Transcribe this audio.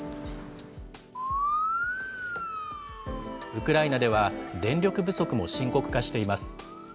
ウクライナでは、電力不足も深刻化しています。